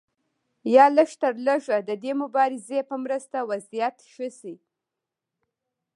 یا لږترلږه د دې مبارزې په مرسته وضعیت ښه شي.